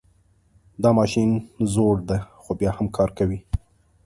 دا ماشین زوړ ده خو بیا هم کار کوي